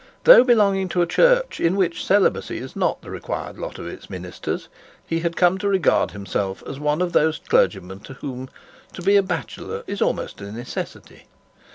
Though belonging to a Church in which celibacy is not the required lot of its ministers, he had come to regard himself as one of those clergymen to whom to be a bachelor is almost a necessity.